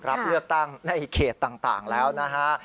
รับเลือกตั้งในเขตต่างแล้วนะฮะ